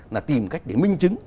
là tìm cách để minh chứng